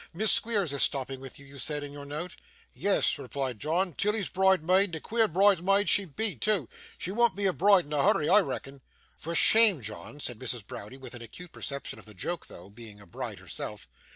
Miss Squeers is stopping with you, you said in your note.' 'Yes,' replied John, 'Tilly's bridesmaid; and a queer bridesmaid she be, too. She wean't be a bride in a hurry, I reckon.' 'For shame, John,' said Mrs. Browdie; with an acute perception of the joke though, being a bride herself.